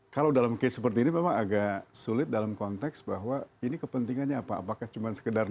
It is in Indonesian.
kalau dalam kes seperti ini memang agak sulit dalam konteks bahwa ini kepentingannya apa apakah cuma sekedar nutup kerugian itu ya